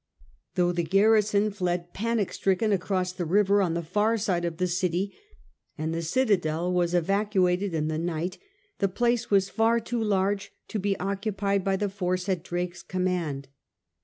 Though the garrison fled panic stricken across the river on the far side of the city, and the citadel was evacuated in the night, the place was far too large to be occupied by the force at Drake's command.